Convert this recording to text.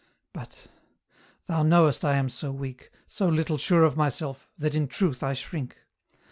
. but ... thou knowest I am so weak, so little sure of myself, that in truth I shrink.